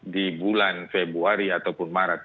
di bulan februari ataupun maret